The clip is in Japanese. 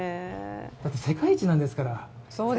だって世界一なんですから。